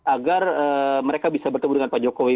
agar mereka bisa bertemu dengan pak jokowi